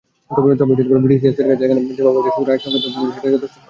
তবে ডিসি-এসপির কাছে এখন যেভাবে শুধু রায়সংক্রান্ত তথ্য যায় সেটা যথেষ্ট নয়।